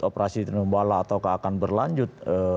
operasi tinombala atau akan berlanjut